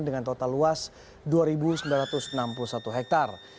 dengan total luas dua sembilan ratus enam puluh satu hektare